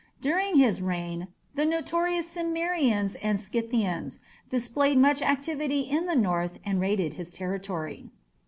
During his reign the notorious Cimmerians and Scythians displayed much activity in the north and raided his territory.